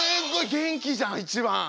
元気じゃん一番！